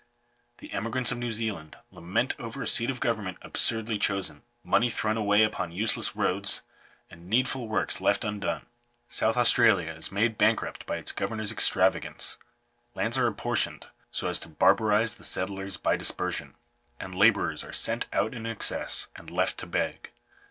The emigrants of New Zealand lament over a seat of government absurdly chosen, money thrown away upon use less roads, and needful works left undone. South Australia is made bankrupt by its governors extravagance; lands are apportioned so as to barbarize the settlers by dispersion, and labourers are sent out in excess, and left to beg.